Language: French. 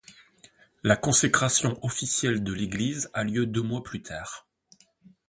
La consécration officielle de l'église a lieu deux mois plus tard.